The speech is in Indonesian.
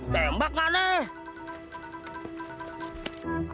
tembak gak nih